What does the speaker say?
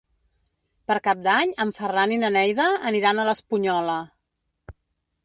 Per Cap d'Any en Ferran i na Neida aniran a l'Espunyola.